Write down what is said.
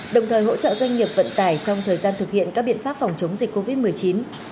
đồng thời hỗ trợ doanh nghiệp vận tải trong thời gian thực hiện các biện pháp phòng chống dịch covid một mươi chín